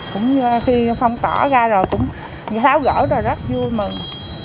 cũng khi phong tỏa ra rồi cũng tháo gỡ rồi rất vui mừng